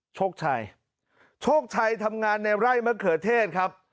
โชคชัยโชคชัยทำงานในไร่มะเขือเทศครับ